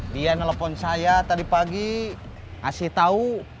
dia nelfon saya tadi pagi ngasih tau